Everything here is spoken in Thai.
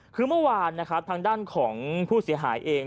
คือเมื่อวานนะครับทางด้านของผู้เสียหายเอง